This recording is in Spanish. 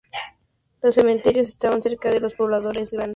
Los cementerios estaban cerca de los poblados grandes.